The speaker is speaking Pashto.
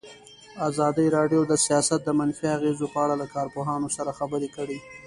ازادي راډیو د سیاست د منفي اغېزو په اړه له کارپوهانو سره خبرې کړي.